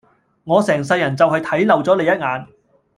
我成世人就係睇漏咗你一眼